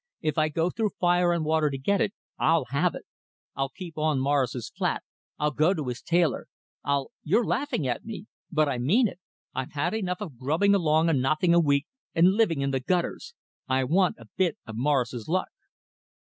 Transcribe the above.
"If I go through fire and water to get it, I'll have it! I'll keep on Morris's flat. I'll go to his tailor! I'll you're laughing at me. But I mean it! I've had enough of grubbing along on nothing a week, and living in the gutters. I want a bit of Morris's luck."